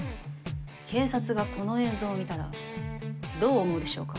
警察がこの映像を見たらどう思うでしょうか